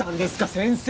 先生。